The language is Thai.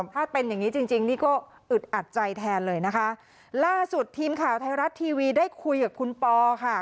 ถ้าเป็นอย่างงี้จริงจริงนี่ก็อึดอัดใจแทนเลยนะคะล่าสุดทีมข่าวไทยรัฐทีวีได้คุยกับคุณปอค่ะ